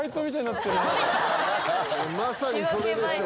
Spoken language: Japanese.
まさにそれでしょ。